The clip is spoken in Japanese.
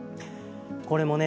これもね